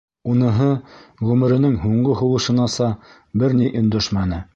Уныһы ғүмеренең һуңғы һулышынаса бер ни өндәшмәне.